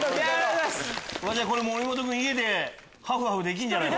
森本君家でハフハフできるんじゃない？